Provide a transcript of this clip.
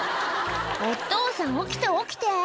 「お父さん起きて起きて」